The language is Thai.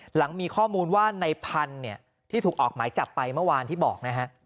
หลังมีข้อมูลว่าในพันธุ์ที่ถูกออกหมายจับไปเมื่อวานที่บอกนะฮะ